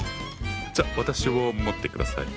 じゃ私をもって下さい。